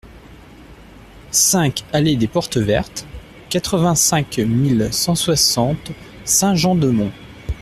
cinq allée des Portes Vertes, quatre-vingt-cinq mille cent soixante Saint-Jean-de-Monts